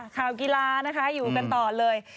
ข่าวกีฬานะคะอยู่กันต่อเลย